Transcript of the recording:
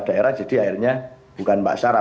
daerah jadi akhirnya bukan mbak sarah